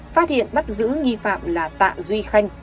phát hiện bắt giữ nghi phạm là tạ duy khanh